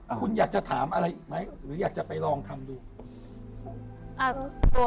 คุณอยากจะถามอะไรอีกไหมหรืออยากจะไปลองทำดู